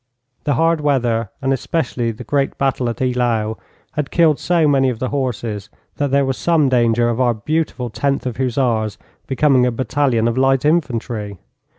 The hard weather, and especially the great battle at Eylau, had killed so many of the horses that there was some danger of our beautiful Tenth of Hussars becoming a battalion of light infantry.